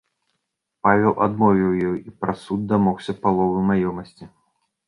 Павел адмовіў ёй і праз суд дамогся паловы маёмасці.